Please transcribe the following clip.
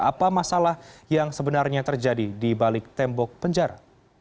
apa masalah yang sebenarnya terjadi di balik tembok penjara